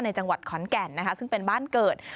จังหวัดขอนแก่นนะคะซึ่งเป็นบ้านเกิด